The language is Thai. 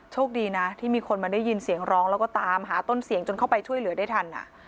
โชคดีนะที่มีคนมาได้ยินเสียงร้องแล้วก็ตามหาต้นเสียงจนเข้าไปช่วยเหลือได้ทัน